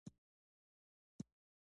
نن دي عجبه قدر ډېر سو پر جهان غیرانه